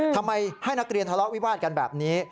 ทำไมให้นักเรียนทะเลาะวิวาดกันแบบนี้